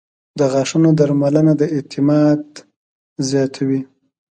• د غاښونو درملنه د اعتماد زیاتوي.